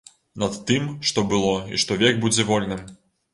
Над тым, што было і што век будзе вольным.